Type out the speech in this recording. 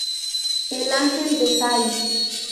El ángel de Sai.